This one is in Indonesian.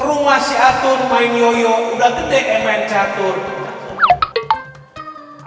rumah si atun main yoyo udah gede yang main catur